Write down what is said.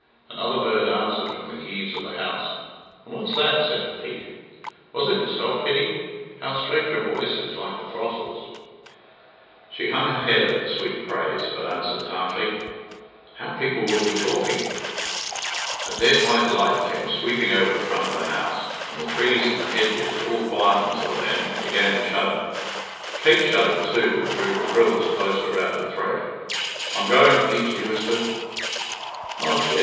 Another bird answered from the eaves of the house. "And what's that?" said Pete. "Was it yourself, Kitty? How straight your voice is like the throstle's!" She hung her head at the sweet praise, but answered tartly, "How people will be talking!" A dead white light came sweeping over the front of the house, and the trees and the hedges, all quiet until then, began to shudder. Kate shuddered too, and drew the frills closer about her throat. "I'm going, Pete," she whispered. "Not yet.